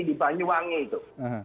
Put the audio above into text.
di banyuwangi itu